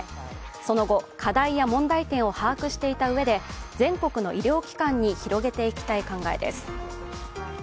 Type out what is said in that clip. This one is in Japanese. その後、課題や問題点を把握していたうえで全国の医療機関に広げていきたい考えです。